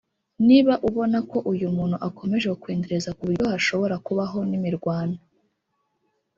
Niba ubona ko uyu muntu akomeje kukwendereza ku buryo hashobora kubaho n’imirwano